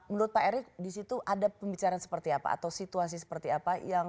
menurut pak erik disitu ada pembicaraan seperti apa atau situasi seperti apa yang